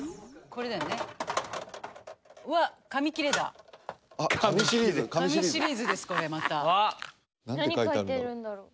これまた何書いてるんだろう？